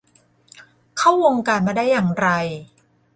เข้าวงการมาได้อย่างไร